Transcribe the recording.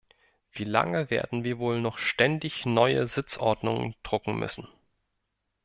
Wie lange werden wir wohl noch ständig neue Sitzordnungen drucken müssen?